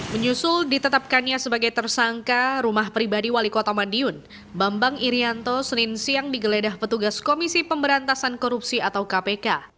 menyusul ditetapkannya sebagai tersangka rumah pribadi wali kota madiun bambang irianto senin siang digeledah petugas komisi pemberantasan korupsi atau kpk